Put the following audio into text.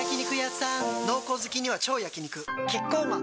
濃厚好きには超焼肉キッコーマン